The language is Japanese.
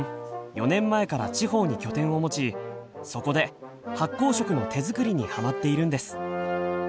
４年前から地方に拠点を持ちそこで発酵食の手作りにハマっているんです。